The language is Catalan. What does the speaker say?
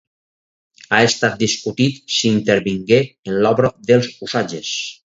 Ha estat discutit si intervingué en l'obra dels Usatges.